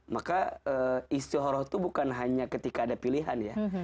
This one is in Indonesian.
maka istihoroh itu bukan hanya ketika ada pilihan ya